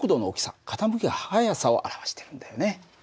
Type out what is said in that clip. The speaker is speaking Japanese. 傾きは速さを表しているんだよね。